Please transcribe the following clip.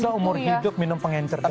setelah umur hidup minum pengencer darah